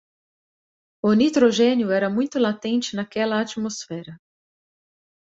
O nitrogênio era muito latente naquela atmosfera